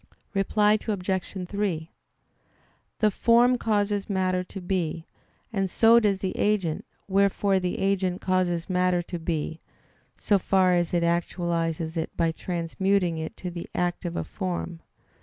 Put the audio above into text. Reply Obj. 3: The form causes matter to be, and so does the agent; wherefore the agent causes matter to be, so far as it actualizes it by transmuting it to the act of a form.